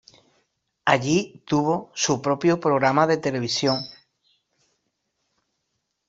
Allí, tuvo su propio programa de televisión.